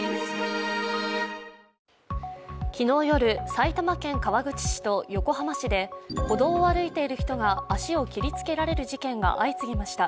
昨日夜、埼玉県川口市と横浜市で歩道を歩いている人が足を切りつけられる事件が相次ぎました。